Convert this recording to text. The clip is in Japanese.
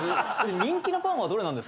人気なパンはどれなんですか？